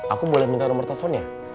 aku boleh minta nomor teleponnya